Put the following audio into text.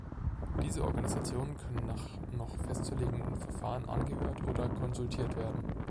Diese Organisationen können nach noch festzulegenden Verfahren angehört oder konsultiert werden.